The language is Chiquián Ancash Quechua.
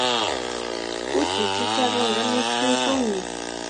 Kuchi chacharunqa mishkiykunmi.